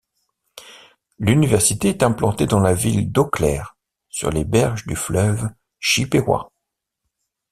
L'université est implantée dans la ville d'Eau Claire, sur les berges du fleuve Chippewa.